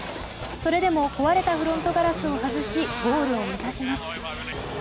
それでも壊れたフロントガラスを外しゴールを目指します。